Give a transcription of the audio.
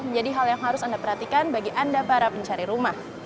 menjadi hal yang harus anda perhatikan bagi anda para pencari rumah